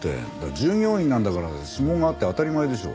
従業員なんだから指紋があって当たり前でしょ。